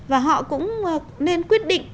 và họ cũng nên quyết định